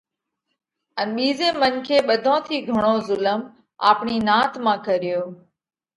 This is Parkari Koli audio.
ان ٻِيزي منکي ٻڌون ٿِي گھڻو زُلم آپڻِي نات مانھ ڪريوھ،